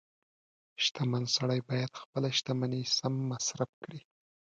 • شتمن سړی باید خپله شتمني سم مصرف کړي.